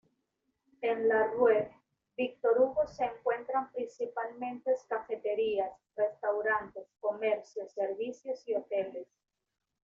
En la Rue Victor-Hugo se encuentran principalmente cafeterías, restaurantes, comercios, servicios y hoteles.